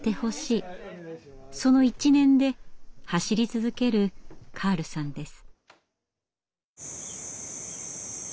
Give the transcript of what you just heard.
その一念で走り続けるカールさんです。